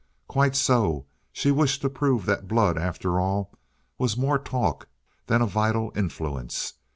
"Quite so. She wished to prove that blood, after all, was more talk than a vital influence.